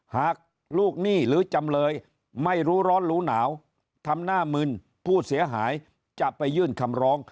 ลูกหนี้หรือจำเลยไม่รู้ร้อนรู้หนาวทำหน้ามึนผู้เสียหายจะไปยื่นคำร้อง